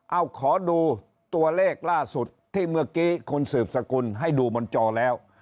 เอาขอดูตัวเลขล่าสุดที่เมื่อกี้คุณสืบสกุลให้ดูบนจอแล้ว